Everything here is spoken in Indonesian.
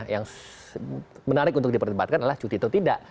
yang menarik untuk diperdebatkan adalah cuti atau tidak